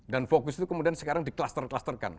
dan fokus itu kemudian sekarang di cluster clusterkan